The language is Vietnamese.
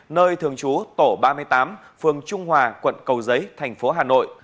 nơi thường trú tổ ba mươi tám phường trung hòa quận cầu giấy tp hà nội